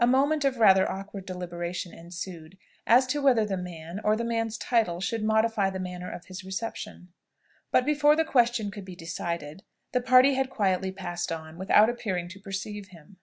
A moment of rather awkward deliberation ensued, as to whether the man, or the man's title, should modify the manner of his reception; but before the question could be decided, the party had quietly passed on, without appearing to perceive him.